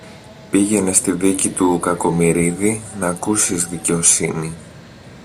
πήγαινε στη δίκη του Κακομοιρίδη, ν' ακούσεις δικαιοσύνη.